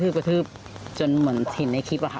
คือกระทืบจนเหมือนเห็นในคลิปอะค่ะ